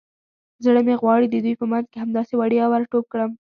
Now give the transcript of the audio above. زړه مې غواړي د دوی په منځ کې همداسې وړیا ور ټوپ کړم.